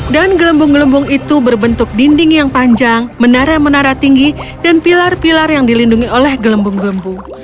dan gelembung gelembung itu berbentuk dinding yang panjang menara menara tinggi dan pilar pilar yang dilindungi oleh gelembung gelembung